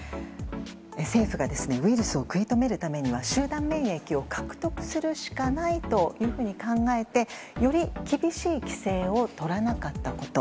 政府が、ウイルスを食い止めるためには集団免疫を獲得するしかないというふうに考えてより厳しい規制をとらなかったこと。